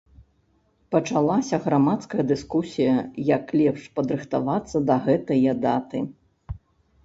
Пачалася грамадская дыскусія, як лепш падрыхтавацца да гэтае даты.